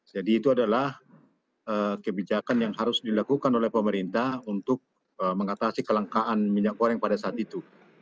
jadi itu adalah kebijakan yang harus dilakukan oleh pemerintah untuk mengatasi kelangkaan minyak goreng pada saat itu